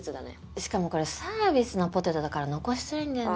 しかもこれサービスのポテトだから残しづらいんだよな。